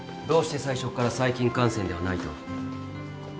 どうして最初から細菌感染ではないと？